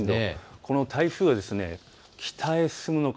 この台風、北へ進むのか。